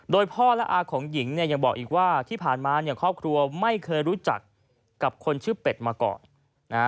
โดยพ่อและอาของหญิงเนี่ยยังบอกอีกว่าที่ผ่านมาเนี่ยครอบครัวไม่เคยรู้จักกับคนชื่อเป็ดมาก่อนนะฮะ